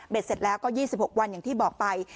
เสร็จแล้วก็๒๖วันอย่างที่บอกไป